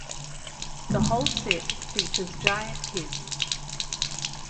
The whole set features giant heads.